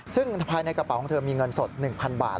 ซึ่งภายในกระเป๋าของเธอมีเงินสด๑๐๐๐บาท